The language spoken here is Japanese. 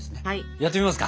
やってみますか。